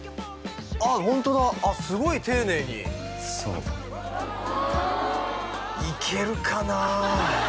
ああホントだあっすごい丁寧にいけるかな？